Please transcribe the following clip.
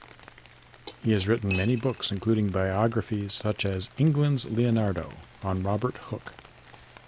He has written many books including biographies such as "England's Leonardo" on Robert Hooke.